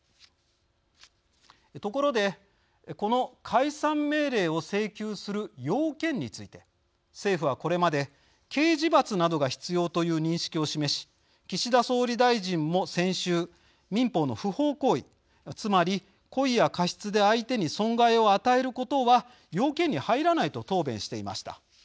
ところで、この解散命令を請求する要件について政府は、これまで「刑事罰などが必要」という認識を示し岸田総理大臣も先週「民法の不法行為、つまり故意や過失で相手に損害を与えることは要件に入らない」と答弁していました。